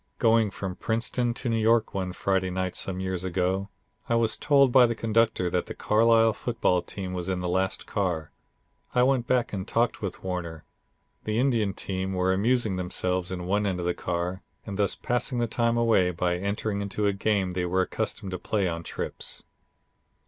Going from Princeton to New York one Friday night some years ago, I was told by the conductor that the Carlisle football team was in the last car. I went back and talked with Warner. The Indian team were amusing themselves in one end of the car, and thus passing the time away by entering into a game they were accustomed to play on trips.